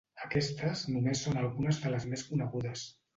Aquestes només són algunes de les més conegudes.